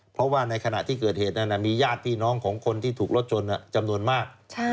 เพราะว่าในขณะที่เกิดเหตุนั้นมีญาติพี่น้องของคนที่ถูกรถชนจำนวนมาก